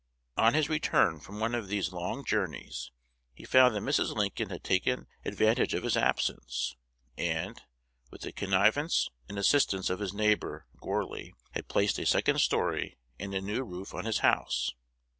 On his return from one of these long journeys, he found that Mrs. Lincoln had taken advantage of his absence, and, with the connivance and assistance of his neighbor, Gourly, had placed a second story and a new roof on his house.